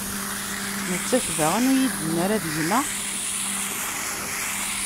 Nettat daɣen ur yi-d-tenni ara: D gma?